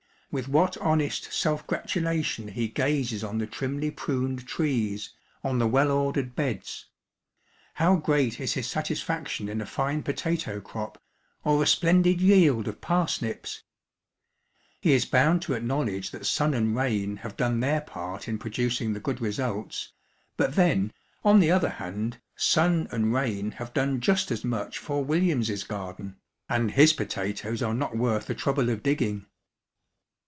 With what honest self gratulation he gazes on the trimly pruned trees, on the well ordered beds ; how great is his satisfaction in a fine potato crop or a splendid yield of parsnips ! He is bound to acknowledge that sim and rain have done their part in producing the good results ; but then, on the other hand, sun and rain have done just as much for Williams's garden, and his potatoes are not worth the trouble of digging.